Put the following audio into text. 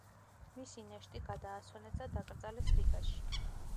მისი ნეშტი გადაასვენეს და დაკრძალეს რიგაში.